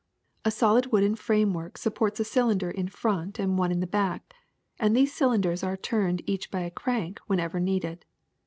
A solid wooden framework supports a cylinder in front and one at the back, and these cylinders are turned each by a crank whenever needed.